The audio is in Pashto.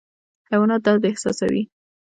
حیوانات درد احساسوي